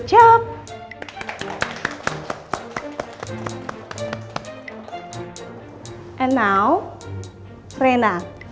dan sekarang rena